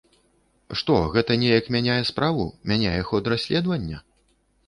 Што, гэта неяк мяняе справу, мяняе ход расследавання?